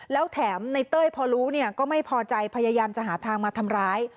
แล้วแถมในเต้ยพอรู้เนี่ยก็ไม่พอใจพยายามจะหาทางมาทำร้าย